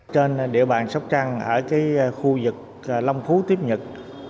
trên địa bàn sóc trăng ở khu vực long phú tiếp nhật